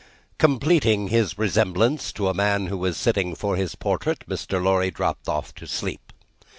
Completing his resemblance to a man who was sitting for his portrait, Mr. Lorry dropped off to sleep.